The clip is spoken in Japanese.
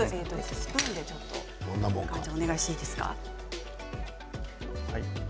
スプーンでちょっとお願いしていいですか。